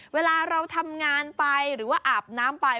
เวลาเราทำงานไปหรือว่าอาบน้ำไป